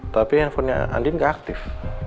tapi handphonenya andin nggak aktif